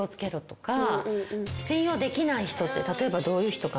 信用できない人って例えばどういう人かな。